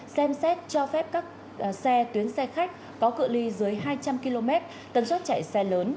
xem xét cho phép các xe tuyến xe khách có cự ly dưới hai trăm linh km tần suất chạy xe lớn